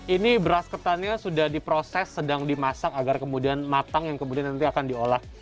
ini beras ketannya sudah diproses sedang dimasak agar kemudian matang yang kemudian nanti akan diolah